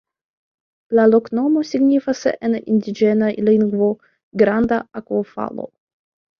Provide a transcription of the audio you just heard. La loknomo signifas en indiĝena lingvo: "granda akvofalo".